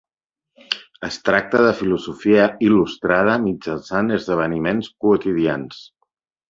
Es tracta de filosofia il·lustrada mitjançant esdeveniments quotidians.